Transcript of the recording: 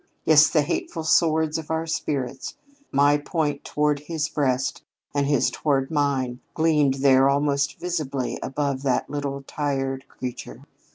Yes, the hateful swords of our spirits, my point toward his breast and his toward mine, gleamed there almost visibly above that little tired creature.